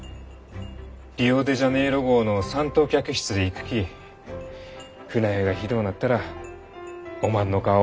リオ・デ・ジャネイロ号の三等客室で行くき船酔いがひどうなったらおまんの顔思い出す。